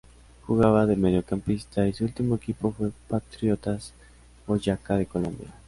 Jugaba de mediocampista y su ultimo equipo fue Patriotas Boyacá de Colombia.